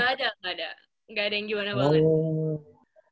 nggak ada nggak ada nggak ada yang gimana banget